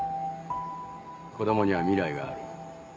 子供には未来がある。